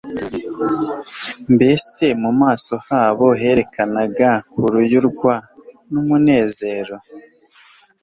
Mbese mu maso habo herekanaga kuruyurwa n'umunezero?